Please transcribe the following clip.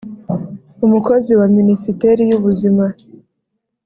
umukozi wa Minisiteri y’ubuzima